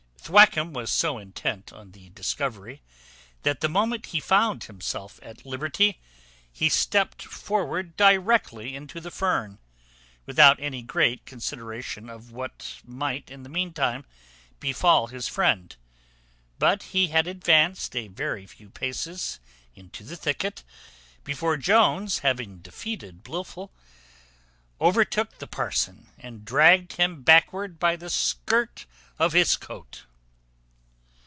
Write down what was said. Thwackum was so intent on the discovery, that, the moment he found himself at liberty, he stept forward directly into the fern, without any great consideration of what might in the meantime befal his friend; but he had advanced a very few paces into the thicket, before Jones, having defeated Blifil, overtook the parson, and dragged him backward by the skirt of his coat.